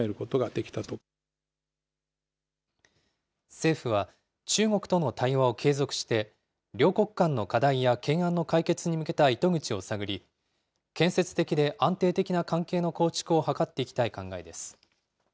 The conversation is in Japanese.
政府は、中国との対話を継続して、両国間の課題や懸案の解決に向けた糸口を探り、建設的で安定的な関係の構築を図っていきたい考えです。